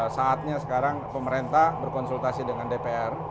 saatnya sekarang pemerintah berkonsultasi dengan dpr